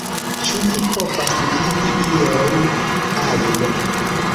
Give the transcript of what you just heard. Ĉu vi povas vidi ion ajn?